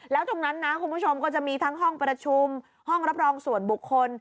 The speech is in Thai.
แล้วตรงนั้นนะคุณผู้ชมก็จะมีทั้งห้องประชุมห้องรับรองส่วนบุคคล